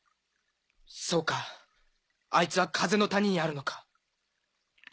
そうかあいつは風の谷にあるのか。